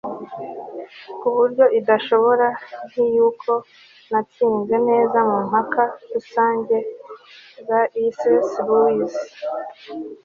ku buryo idashoboka nk'iy'uko natsinze neza mu mpaka rusange - c s lewis